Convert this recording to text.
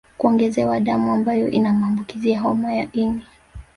Kuongezewa damu ambayo ina maambukizi ya homa ya ini